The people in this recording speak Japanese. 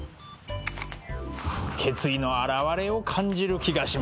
決意の表れを感じる気がします。